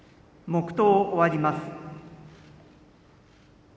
黙とうを終わります。